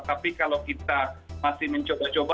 tapi kalau kita masih mencoba coba